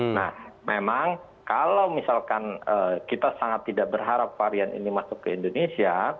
nah memang kalau misalkan kita sangat tidak berharap varian ini masuk ke indonesia